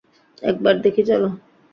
একবার দেখি চলো।